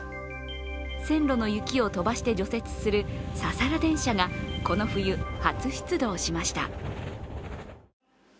線路の雪を飛ばして除雪するササラ電車がこの冬、初出動しました。